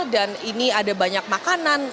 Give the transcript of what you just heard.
dan ini ada banyak makanan